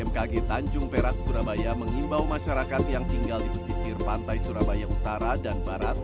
bmkg tanjung perak surabaya mengimbau masyarakat yang tinggal di pesisir pantai surabaya utara dan barat